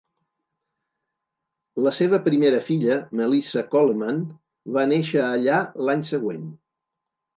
La seva primera filla, Melissa Coleman, va néixer allà l'any següent.